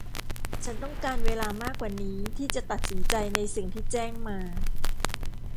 ฉันต้องการเวลามากกว่านี้ที่จะตัดสินใจในสิ่งที่แจ้งมา